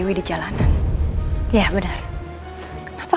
udah lah kamu capek